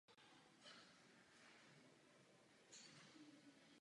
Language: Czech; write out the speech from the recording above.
Dominique Rey.